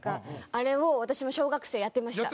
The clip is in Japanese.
あれを私も小学生、やってました。